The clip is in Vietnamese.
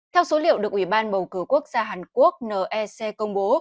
theo số liệu được ủy ban bầu cử quốc gia hàn quốc nec công bố